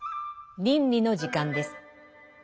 倫理の時間です。